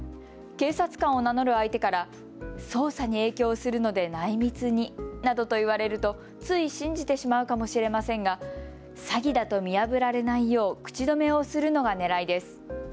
警察官を名乗る相手から捜査に影響するので内密になどと言われると、つい信じてしまうかもしれませんが詐欺だと見破られないよう口止めをするのがねらいです。